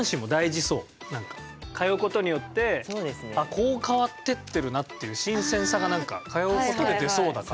通うことによってあこう変わってってるなっていう新鮮さが通うことで出そうだから。